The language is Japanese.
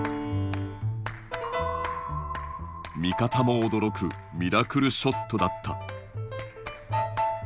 味方も驚くミラクルショットだった。